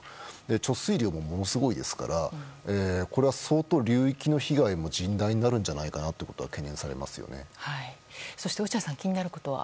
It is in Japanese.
貯水量も、ものすごいですからこれは相当、流域の被害も甚大になるんじゃないかなとそして、落合さん気になることは？